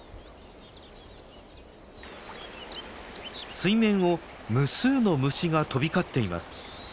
水面を無数の虫が飛び交っています。